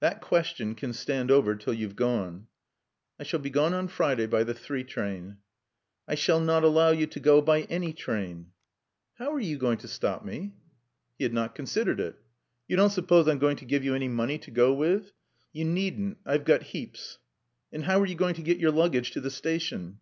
"That question can stand over till you've gone." "I shall be gone on Friday by the three train." "I shall not allow you to go by any train." "How are you going to stop me?" He had not considered it. "You don't suppose I'm going to give you any money to go with?" "You needn't. I've got heaps." "And how are you going to get your luggage to the station?"